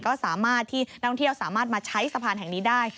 ก็สามารถที่นักท่องเที่ยวสามารถมาใช้สะพานแห่งนี้ได้